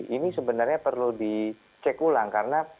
ini sebenarnya perlu dicek ulang karena